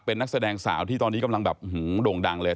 เป็นนักแสดงสาวที่ตอนนี้กำลังแบบโด่งดังเลย